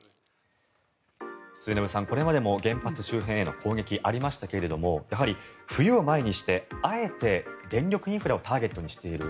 末延さん、これまでも原発周辺への攻撃はありましたがやはり、冬を前にしてあえて電力インフラをターゲットにしている。